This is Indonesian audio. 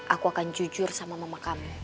aku akan jujur sama mama kamu